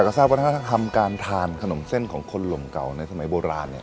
ค่ะอยากจะทำการทานขนมเส้นของคนลมเก่าในสมัยโบราณเนี้ย